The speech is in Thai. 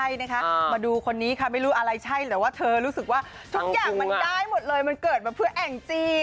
ต้องมารับแอปเหล่าหาอะไรที่ได้มาดูคนนี้ค่ะไม่รู้อะไรใช่แต่ว่าเธอรู้สึกว่าทุกอย่างได้หมดเลยมันเกิดเพื่อแอง่จี